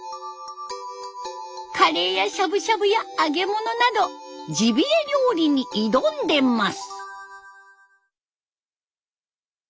カレーやしゃぶしゃぶや揚げ物などジビエ料理に挑んでます。